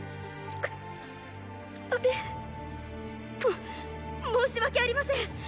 あれ？も申し訳ありません。